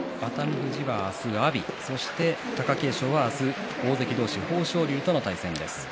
富士は明日、阿炎貴景勝は明日、大関同士豊昇龍との対戦です。